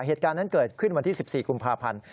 เหตุการณ์นั้นเกิดขึ้นวันที่๑๔กุมภาพันธ์